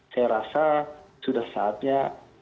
saya rasa sudah saatnya